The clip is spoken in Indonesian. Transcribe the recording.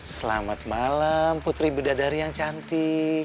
selamat malam putri bidadari yang cantik